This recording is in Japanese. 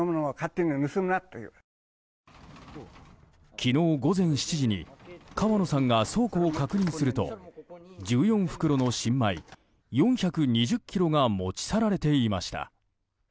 昨日午前７時に河野さんが倉庫を確認すると１４袋の新米、４２０ｋｇが持ち去られていました。